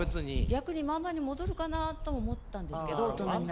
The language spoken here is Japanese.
逆に「ママ」に戻るかなと思ったんですけど大人になったら。